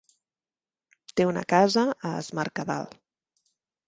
Té una casa a Es Mercadal.